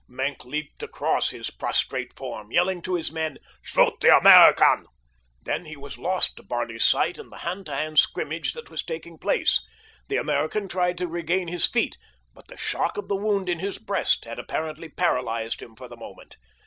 Maenck leaped across his prostrate form, yelling to his men "Shoot the American." Then he was lost to Barney's sight in the hand to hand scrimmage that was taking place. The American tried to regain his feet, but the shock of the wound in his breast had apparently paralyzed him for the moment.